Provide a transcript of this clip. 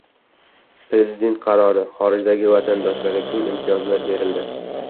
Prezident qarori: Xorijdagi vatandoshlarga keng imtiyozlar berildi